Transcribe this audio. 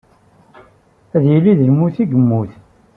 Ad yili d lmut i yemmut.